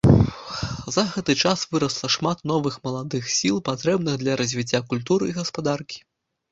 За гэты час вырасла шмат новых, маладых сіл, патрэбных для развіцця культуры і гаспадаркі.